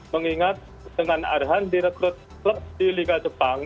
mengingat dengan arhan direkrut klub di liga jepang